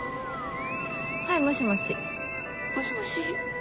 はいもしもし？もしもし？